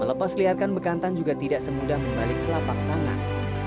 melepasliarkan bekantan juga tidak semudah membalik kelapang tangan